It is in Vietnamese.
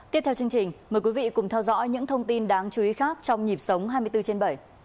tiếp theo chương trình mời quý vị cùng theo dõi những thông tin đáng chú ý khác trong nhịp sống hai mươi bốn trên bảy